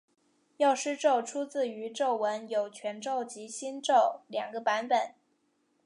药师咒出自于咒文有全咒及心咒两个版本。